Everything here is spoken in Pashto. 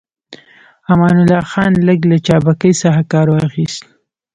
امان الله خان لږ له چابکۍ څخه کار واخيست.